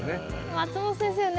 松本先生ね